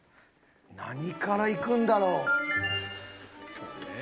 何からいくんだろう？